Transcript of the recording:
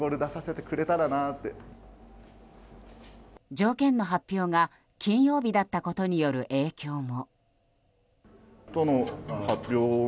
条件の発表が金曜日だったことによる影響も。